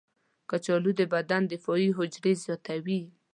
کچالو د بدن دفاعي حجرې زیاتوي.